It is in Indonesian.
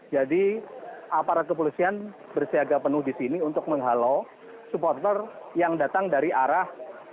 jadi aparat kepolisian bersiaga penuh di sini untuk menghalau supporter yang datang dari arah